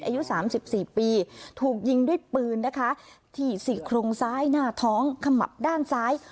อายุสามสิบสี่ปีถูกยิงด้วยปืนนะคะที่สี่โครงซ้ายหน้าท้องขมับด้านซ้าย